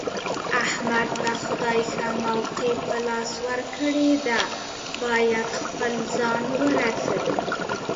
احمد ته خدای ښه موقع په لاس ورکړې ده، باید خپل ځان ورسوي.